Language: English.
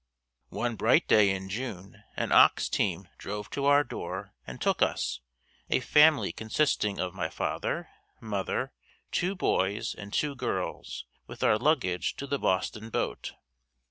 One bright day in June, an ox team drove to our door and took us, a family consisting of my father, mother, two boys and two girls with our luggage to the Boston boat.